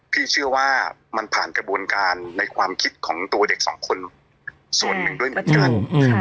พี่เชื่อว่ามันผ่านกระบวนการในความคิดของตัวเด็กสองคนส่วนหนึ่งด้วยเหมือนกัน